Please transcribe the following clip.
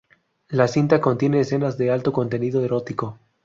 La cinta contiene escenas de alto contenido erótico.